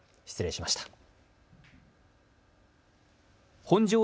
失礼しました。